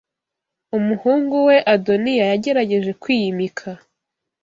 umuhungu we Adoniya yagerageje kwiyimika